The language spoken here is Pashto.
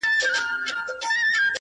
جلوه مخې په اوو فکرو کي ډوب کړم”